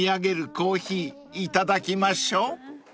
コーヒーいただきましょう］